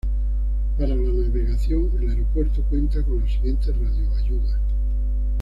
Para la navegación el aeropuerto cuenta con las siguientes radio ayudas